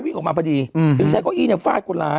ยังไงยังไงยังไงยังไง